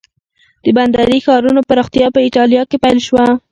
د بندري ښارونو پراختیا په ایټالیا کې پیل شوه.